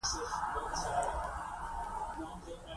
زه غواړم په راتلونکي کې د يو فارم څښتن شم.